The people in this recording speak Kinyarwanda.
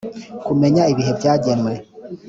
kumenya ibihe byagenwe